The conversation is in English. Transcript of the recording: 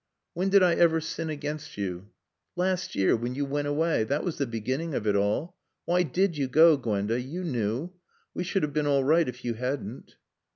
"When did I ever sin against you?" "Last year. When you went away. That was the beginning of it all. Why did you go, Gwenda? You knew. We should have been all right if you hadn't."